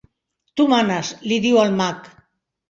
Tu manes —li diu el mag.